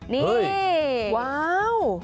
นี่ว้าว